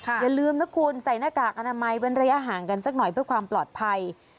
อย่าลืมนะคุณใส่หน้ากากอนามัยเว้นระยะห่างกันสักหน่อยเพื่อความปลอดภัย